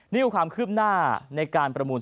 นี่คือความคืบหน้าในการประมูล